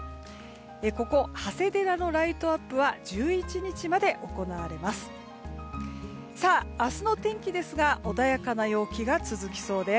ここ、長谷寺のライトアップは１１日まで行われます。